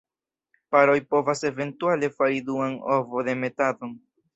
Paroj povas eventuale fari duan ovodemetadon.